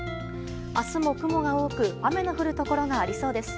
明日も雲が多く雨の降るところがありそうです。